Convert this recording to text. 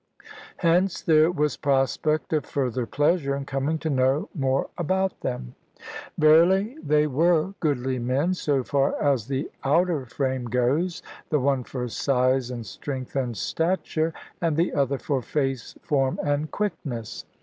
Hence there was prospect of further pleasure, in coming to know more about them. Verily they were goodly men, so far as the outer frame goes; the one for size, and strength, and stature and the other for face, form, and quickness.